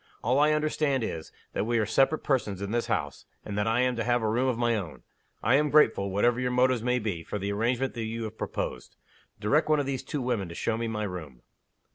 All I understand is, that we are separate persons in this house, and that I am to have a room of my own. I am grateful, whatever your motives may be, for the arrangement that you have proposed. Direct one of these two women to show me my room."